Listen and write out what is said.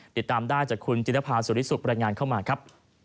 ติดตามได้จากคุณจิรภาสุริสุขบรรยายงานเข้ามาครับ